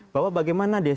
bahwa bagaimana desa itu